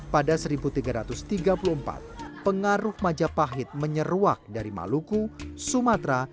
pada seribu tiga ratus tiga puluh empat pengaruh majapahit menyeruak dari maluku sumatera